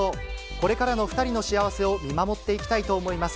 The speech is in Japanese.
これからの２人の幸せを見守っていきたいと思います。